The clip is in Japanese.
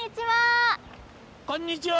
こんにちは！